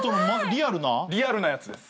リアルなやつです。